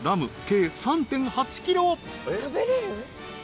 計３．８ｋｇ］